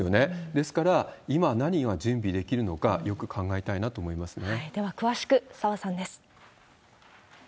ですから、今何が準備できるのか、よく考えたいなと思いますね。